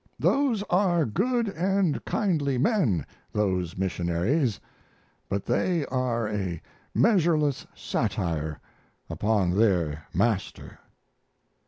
Those are good and kindly men, those missionaries, but they are a measureless satire upon their Master.